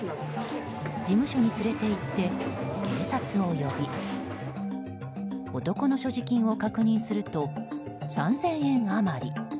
事務所に連れて行って警察を呼び男の所持金を確認すると３０００円余り。